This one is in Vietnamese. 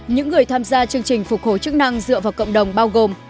những người tham gia chương trình phục hồi chức năng dựa vào cộng đồng bao gồm